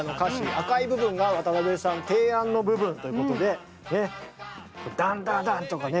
赤い部分が渡辺さん提案の部分ということでダンダダンとかね